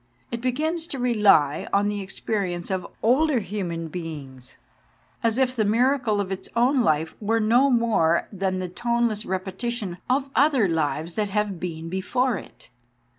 It begins to rely on the experience of older human beings, as if the miracle of its own life were no more than the toneless repeti tion of other lives that have been before it.